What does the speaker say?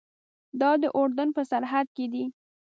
دا د اردن په سرحد کې دی.